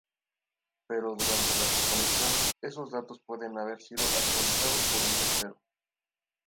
Pero durante la desconexión esos datos pueden haber sido actualizados por un tercero.